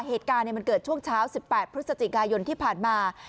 เหตุการณ์เนี่ยมันเกิดช่วงเช้าสิบแปดพฤษจิกายนที่ผ่านมา